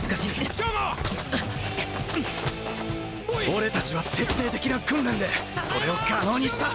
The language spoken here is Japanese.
俺たちは徹底的な訓練でそれを可能にした。